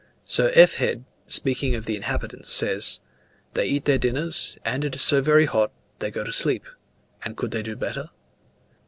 Sir F. Head, speaking of the inhabitants, says, "They eat their dinners, and it is so very hot, they go to sleep and could they do better?"